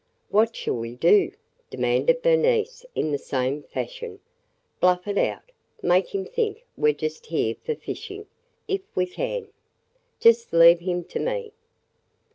"What shall we do?" demanded Bernice in the same fashion. "Bluff it out! Make him think we 're just here for fishing – if we can! Just leave him to me."